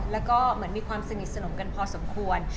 แล้วก็เหมือนมีความสนิทสนมกันพอสมควร